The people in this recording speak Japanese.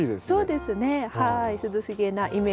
そうですねはい。